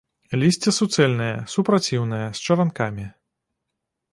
Лісце суцэльнае, супраціўнае, з чаранкамі.